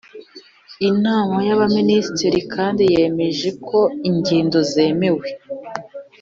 inama y’abaminisitiri kandi yemeje ko ingendo zemewe